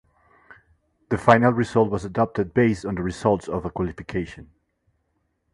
The final result was adopted based on the results of the qualification.